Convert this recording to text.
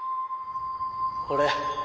俺